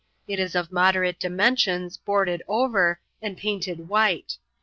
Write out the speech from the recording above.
It is of moderate dimensions, boarded over, and painted white.